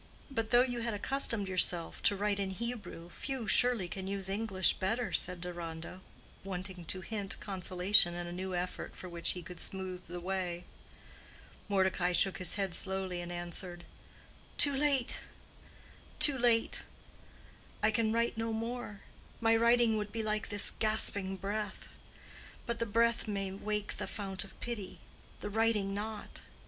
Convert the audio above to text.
"But though you had accustomed yourself to write in Hebrew, few, surely, can use English better," said Deronda, wanting to hint consolation in a new effort for which he could smooth the way. Mordecai shook his head slowly, and answered, "Too late—too late. I can write no more. My writing would be like this gasping breath. But the breath may wake the fount of pity—the writing not.